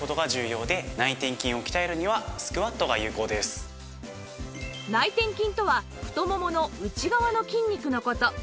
それが内転筋とは太ももの内側の筋肉の事